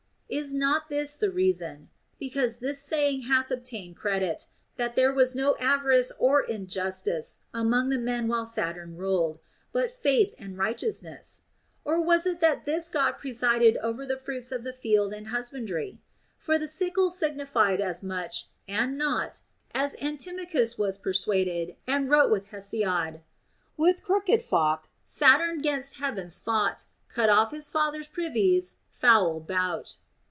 Is not this the reason, because this saying hath obtained credit, that there was no avarice or injustice among men while Saturn ruled, but faith and righteous ness 1 Or was it that this God presided over the fruits THE ROMAN QUESTIONS. 221) of the field and husbandry'? For the sickle signified as much, and not, as Antimachus was persuaded and wrote with Hesiod, — With crooked falk Saturn 'gainst heavens fought, Cut off his father's privities, foul bout.